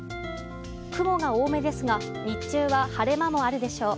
雲が多めですが日中は晴れ間もあるでしょう。